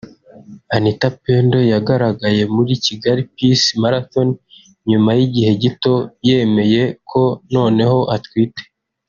Anita Pendo yagaragaye muri Kigali Peace Marathon nyuma y’igihe gito yemeye ko noneho atwite